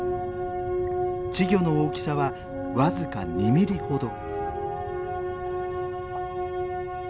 稚魚の大きさはわずか２ミリほど。